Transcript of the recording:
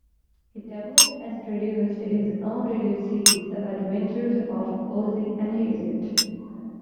He developed and produced his own radio series, "The Adventures of Ozzie and Harriet".